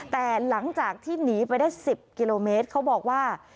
แต่หลังจากที่หนีไปได้๑๐กิโลเมตรเขาบอกว่า